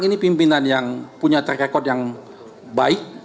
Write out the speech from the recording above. ini pimpinan yang punya track record yang baik